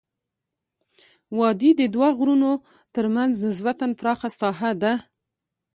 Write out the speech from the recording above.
وادي د دوه غرونو ترمنځ نسبا پراخه ساحه ده.